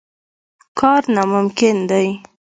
کار ناممکن دی.